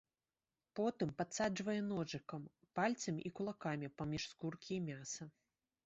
Потым падсаджвае ножыкам, пальцамі і кулакамі паміж скуркі і мяса.